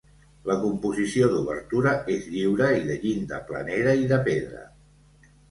La composició d'obertures és lliure i de llinda planera i de pedra.